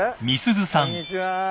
こんにちは。